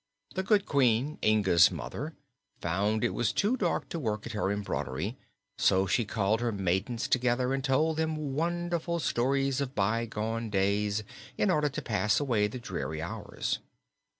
The good Queen, Inga's mother, found it was too dark to work at her embroidery, so she called her maidens together and told them wonderful stories of bygone days, in order to pass away the dreary hours.